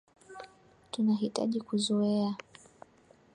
Tunahitaji kuzoea.